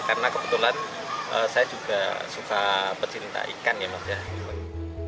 karena kebetulan saya juga suka pecinta ikan ya maksudnya